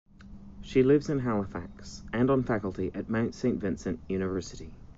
She lives in Halifax, and on faculty at Mount Saint Vincent University.